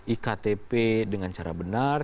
iktp dengan cara benar